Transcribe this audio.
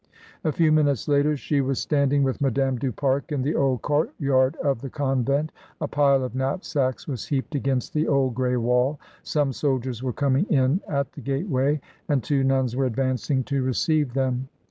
A few minutes later she was standing with Madame du Pare in the old courtyard of a convent. A pile of knapsacks was heaped against the old grey wall, some soldiers were coming in at the gateway, and two nuns were advancing to re ceive them.